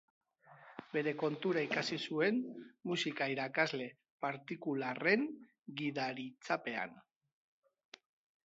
Bere kontura ikasi zuen, musika-irakasle partikularren gidaritzapean.